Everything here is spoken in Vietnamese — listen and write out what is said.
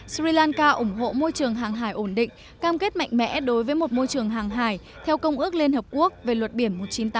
sri lanka ủng hộ môi trường hàng hải ổn định cam kết mạnh mẽ đối với một môi trường hàng hải theo công ước liên hợp quốc về luật biển một nghìn chín trăm tám mươi hai